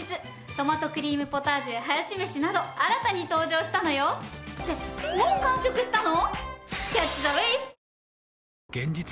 トマトクリームポタージュやハヤシメシなど新たに登場したのよ！ってもう完食したの！？